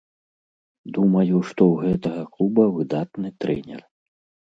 Думаю, што ў гэтага клуба выдатны трэнер.